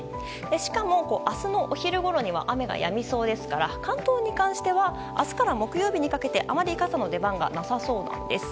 しかも明日のお昼ごろには雨がやみそうですから関東に関しては明日から木曜日にかけてあまり傘の出番がなさそうです。